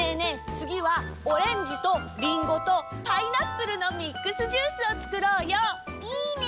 つぎはオレンジとリンゴとパイナップルのミックスジュースをつくろうよ。いいね！